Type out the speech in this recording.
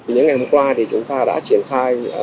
những ngày hôm qua thì chúng ta đã triển khai